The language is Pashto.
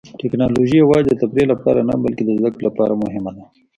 ټیکنالوژي یوازې د تفریح لپاره نه، بلکې د زده کړې لپاره هم مهمه ده.